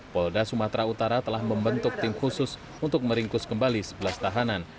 polda sumatera utara telah membentuk tim khusus untuk meringkus kembali sebelas tahanan